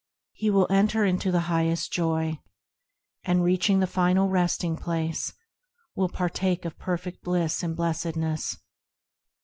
He will enter into the highest joy, And, reaching the final Resting Place, Will partake of perfect bliss and blessedness.